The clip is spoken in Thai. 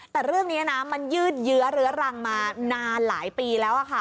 แต่เรื่องนี้นะมันยืดเยื้อเรื้อรังมานานหลายปีแล้วค่ะ